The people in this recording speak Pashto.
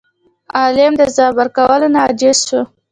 عالم د ځواب ورکولو نه عاجز شو.